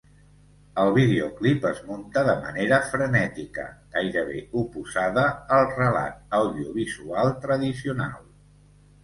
El videoclip es munta de manera frenètica, gairebé oposada al relat audiovisual tradicional.